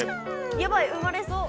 ヤバい生まれそう。